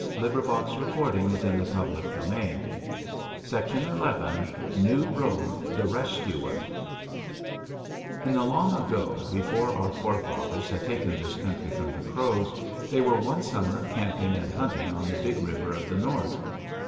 It was called, he said, the story of "NEW ROBE, THE RESCUER "In the long ago, before our forefathers had taken this country from the Crows, they were one summer camping and hunting on the Big River of the North.